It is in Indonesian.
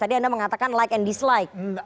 tadi anda mengatakan like and dislike